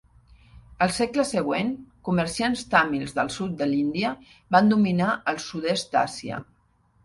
Al segle següent comerciants tàmils del sud de l'Índia van dominar el sud-est d'Àsia.